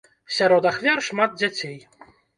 Сярод ахвяр шмат дзяцей.